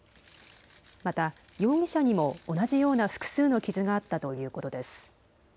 また容疑者にも同じような複数の傷があったということです。